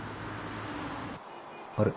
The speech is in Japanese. あれ？